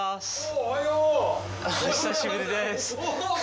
お久しぶりです。